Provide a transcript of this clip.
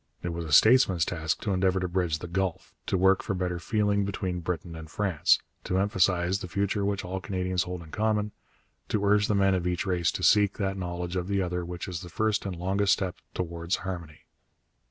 It was a statesman's task to endeavour to bridge the gulf, to work for better feeling between Britain and France, to emphasize the future which all Canadians hold in common, to urge the men of each race to seek that knowledge of the other which is the first and longest step towards harmony.